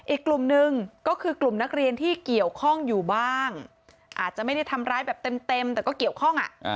อีกกลุ่มหนึ่งก็คือกลุ่มนักเรียนที่เกี่ยวข้องอยู่บ้างอาจจะไม่ได้ทำร้ายแบบเต็มแต่ก็เกี่ยวข้อง